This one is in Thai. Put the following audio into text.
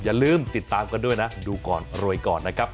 อย่าลืมติดตามกันด้วยนะดูก่อนรวยก่อนนะครับ